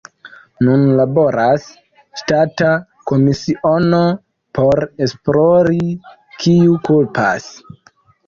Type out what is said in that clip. Nun laboras ŝtata komisiono por esplori, kiu kulpas.